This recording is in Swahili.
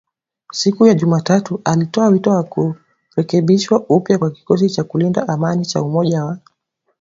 siku ya Jumatano alitoa wito wa kurekebishwa upya kwa kikosi cha kulinda amani cha Umoja wa